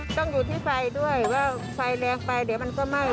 ต้องอยู่ที่ไฟด้วยว่าไฟแรงไปเดี๋ยวมันก็ไหม้